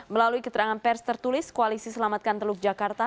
melalui keterangan pers tertulis koalisi selamatkan teluk jakarta